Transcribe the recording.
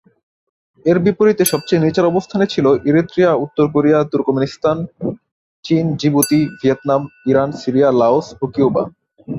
এর বিপরীতে সবচেয়ে নিচের অবস্থানে ছিল ইরিত্রিয়া, উত্তর কোরিয়া, তুর্কমেনিস্তান, চীন, Djibouti, Vietnam, Iran, Syria, Laos ও কিউবা।